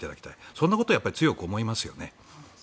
そんなことを強く思いますよね。